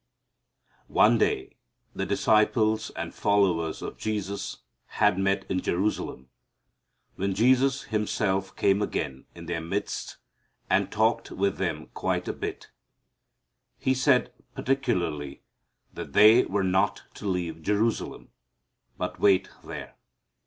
One day the disciples and followers of Jesus had met in Jerusalem, when Jesus Himself came again in their midst and talked with them quite a bit. He said particularly that they were not to leave Jerusalem, but wait there.